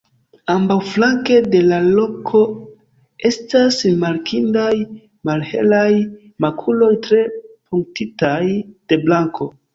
Ambaŭflanke de la kolo estas rimarkindaj malhelaj makuloj tre punktitaj de blanko.